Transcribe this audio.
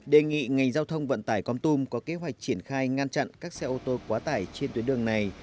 đề nghị ngành giao thông vận tải con tum có kế hoạch triển khai ngăn chặn các xe ô tô quá tải trên tuyến đường này